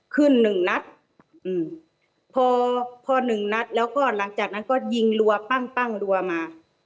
หนึ่งนัดอืมพอพอหนึ่งนัดแล้วก็หลังจากนั้นก็ยิงรัวปั้งปั้งรัวมา